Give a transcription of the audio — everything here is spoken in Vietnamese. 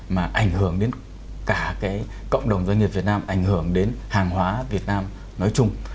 mà ảnh hưởng đến cả cái cộng đồng doanh nghiệp việt nam ảnh hưởng đến hàng hóa việt nam nói chung